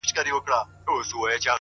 زړه می دډیروخستګیوڅخه نم اوباسی